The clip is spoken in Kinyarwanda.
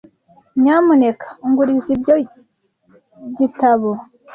Nyamuneka nguriza ibyo gitabo.